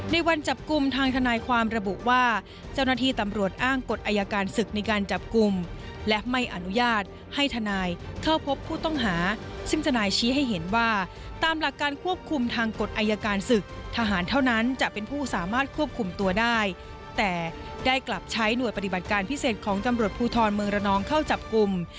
ในวันจับกลุ่มทางทนายความระบุว่าเจ้าหน้าที่ตำรวจอ้างกฎอายการศึกในการจับกลุ่มและไม่อนุญาตให้ทนายเข้าพบผู้ต้องหาซึ่งทนายชี้ให้เห็นว่าตามหลักการควบคุมทางกฎอายการศึกทหารเท่านั้นจะเป็นผู้สามารถควบคุมตัวได้แต่ได้กลับใช้หน่วยปฏิบัติการพิเศษของตำรวจภูทรเมืองระนองเข้าจับกลุ่ม